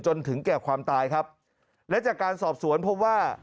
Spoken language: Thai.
จนถึงแก่ความตายครับและจากการสอบสวนพบว่า